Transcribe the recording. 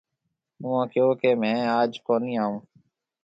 اُوئون ڪهيَو ڪي ميه آج ڪوني آئون۔